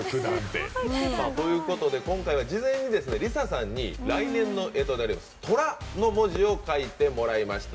今回は事前にＬｉＳＡさんに来年のえとである「寅」の文字を書いてもらいました。